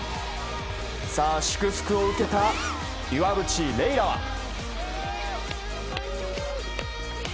さあ祝福を受けた岩渕麗楽は。